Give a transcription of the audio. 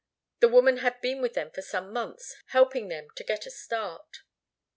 The woman had been with them for some months, helping them to get a start.